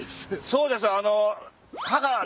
そうです。